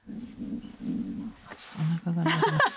あっちょっとおなかが鳴りました。